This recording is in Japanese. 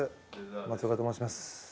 松岡と申します。